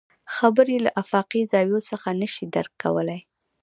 خبرې له افاقي زاويو څخه نه شي درک کولی.